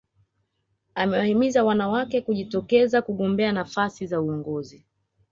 Amewahimiza wanawake kujitokeza kugombea nafasi za uongozi